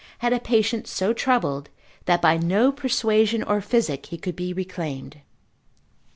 had a patient so troubled, that by no persuasion or physic he could be reclaimed.